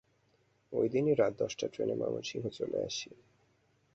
ঐ দিনই রাত দশটার ট্রেনে ময়মনসিং চলে আসি।